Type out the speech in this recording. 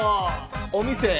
お店。